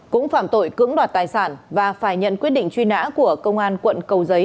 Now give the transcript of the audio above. cũng phạm tội cưỡng đoạt tài sản và phải nhận quyết định truy nã của công an quận cầu giấy